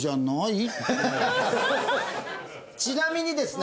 ちなみにですね